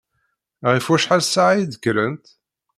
Ɣef wacḥal ssaɛa i d-kkrent?